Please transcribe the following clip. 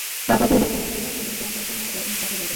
তারপর পূর্ব ও পশ্চিমের মধ্যবর্তী অঞ্চল পূণ্য ও ইনসাফে ভরে যাবে।